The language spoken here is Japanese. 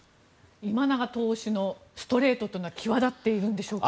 今永投手のストレートというのは際立っているんでしょうか。